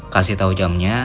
kasih tau jamnya